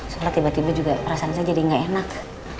soalnya tiba tiba juga perasaan saya jadi gak enak